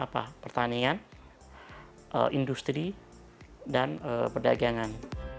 pertanian industri dan perdagangan